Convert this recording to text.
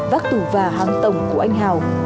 vác tủ và hàng tổng của anh hảo